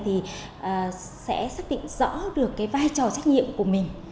thì sẽ xác định rõ được cái vai trò trách nhiệm của mình